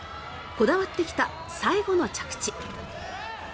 こだわってきた最後の着地。